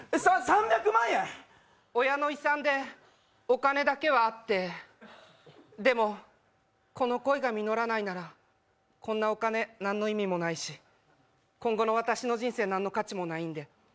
親の遺産で、お金だけはあってでも、この恋が実らないならこんなお金、何の意味もないし、今後の私の人生、何の価値もないので。